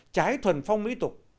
trái thuần phong mỹ tục